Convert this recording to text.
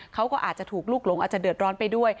เขาก็อาจจะถูกลูกหลงอาจจะเดือดร้อนไปด้วย